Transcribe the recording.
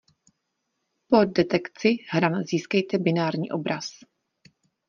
Po detekci hran získejte binární obraz.